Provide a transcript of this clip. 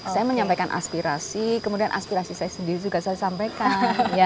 saya menyampaikan aspirasi kemudian aspirasi saya sendiri juga saya sampaikan